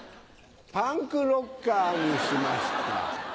パンクロッカーにしました。